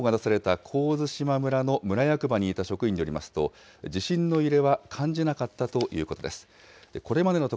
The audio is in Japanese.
津波注意報が出された神津島村の村役場にいた職員によりますと、地震の揺れは感じなかったということです。